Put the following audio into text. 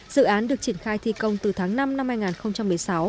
dự án được triển khai thi công từ tháng năm năm hai nghìn một mươi sáu